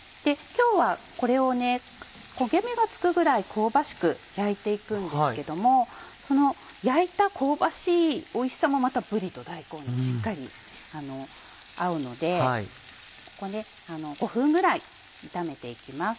今日はこれを焦げ目がつくぐらい香ばしく焼いて行くんですけどもこの焼いた香ばしいおいしさもまたぶりと大根にしっかり合うのでここで５分ぐらい炒めて行きます。